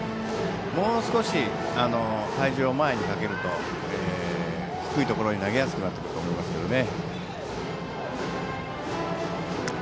もう少し体重を前にかけると低いところに投げやすくなってくると思いますけどね。